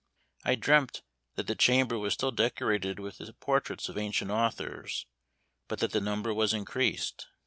I dreamt that the chamber was still decorated with the portraits of ancient authors, but that the number was increased.